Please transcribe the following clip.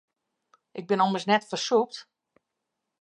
Ik bin ommers net fersûpt.